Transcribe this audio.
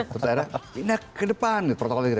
terus ada pindah ke depan protokolnya gitu